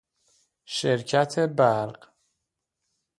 شرکت برق